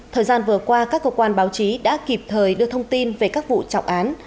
thời gian vừa qua các cơ quan báo chí đã kịp thời đưa thông tin về các vụ trọng án